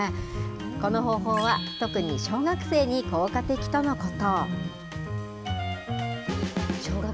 この方法は、特に小学生に効果的とのこと。